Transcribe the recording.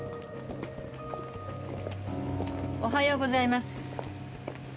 おはようございます。